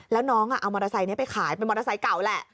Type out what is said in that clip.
แล้วน้องเอามอเตอร์ไซค์นี้ไปขายเป็นมอเตอร์ไซค์เก่าแหละ